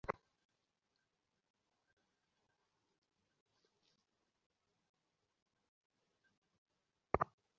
রাজ্জাক জানিয়েছেন, বাড়িতে তাঁর শয়নকক্ষের সঙ্গে লাগোয়া বাথরুমের জানালা ভেঙেই ডাকাতেরা প্রবেশ করে।